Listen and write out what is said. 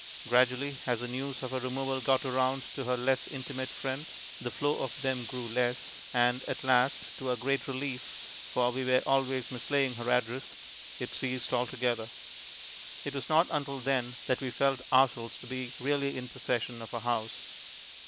Gradually, as the news of her removal got round to her less intimate friends, the flow of them grew less, and at last to our great relief, for we were always mislaying her address it ceased altogether. It was not until then that we felt ourselves to be really in possession of our house.